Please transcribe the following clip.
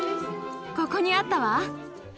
ここにあったわ。